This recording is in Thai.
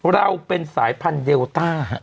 เราเป็นสายพันธุเดลต้าฮะ